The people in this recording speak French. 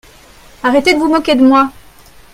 Arrêtez de vous moquer de moi.